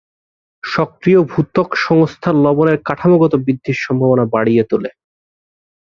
সক্রিয় ভূত্বক সংস্থান লবণের কাঠামোগত বৃদ্ধির সম্ভাবনা বাড়িয়ে তোলে।